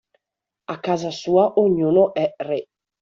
A casa sua ognuno è re.